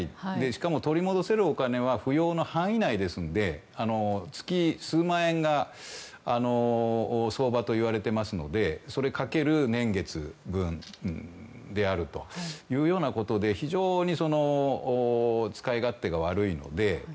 しかも取り戻せるお金は扶養の範囲内ですので月数万円が相場といわれてますのでそれ、かける年月分であるということで非常に使い勝手が悪いので。